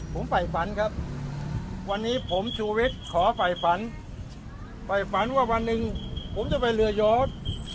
ผมไปฝันครับวันนี้ผมชูวิทย์ขอไปฝันไปฝันว่าวันหนึ่งผมจะไปเรือโยศ